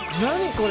これ。